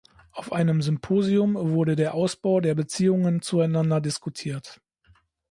Auf einem Symposion wurde der Ausbau der Beziehungen zueinander diskutiert.